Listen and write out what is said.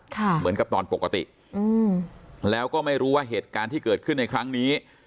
เหมือนกับตอนปกติอืมแล้วก็ไม่รู้ว่าเหตุการณ์ที่เกิดขึ้นในครั้งนี้